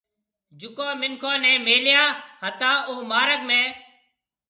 جڪون مِنکون نَي ميليا هتا اوٿ مارگ ۾